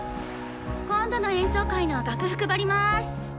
今度の演奏会の楽譜配ります。